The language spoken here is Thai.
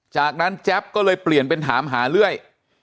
จากนั้นแจ๊บก็เลยเปลี่ยนเป็นถามหาเรื่อย